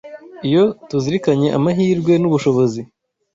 Iyo tuzirikanye amahirwe n’ubushobozi